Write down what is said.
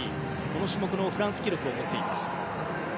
この種目のフランス記録を持っています。